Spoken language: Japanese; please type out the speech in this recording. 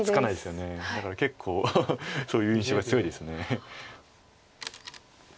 だから結構そういう印象が強いです。